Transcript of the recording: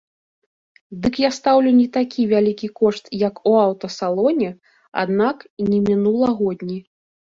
Дык я стаўлю не такі вялікі кошт, як у аўтасалоне, аднак і не мінулагодні.